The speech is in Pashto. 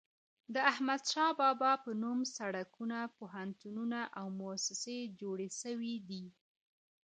د احمد شاه بابا په نوم سړکونه، پوهنتونونه او موسسې جوړي سوي دي.